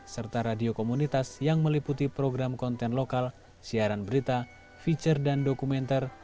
serta radio komunitas yang meliputi program konten lokal siaran berita feature dan dokumenter